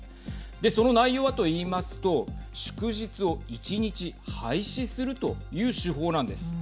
その内容はと言いますと祝日を１日廃止するという手法なんです。